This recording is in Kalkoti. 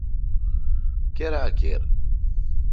کیرا کیر۔